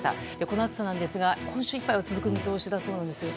この暑さなんですが今週いっぱいは続く見通しだそうです。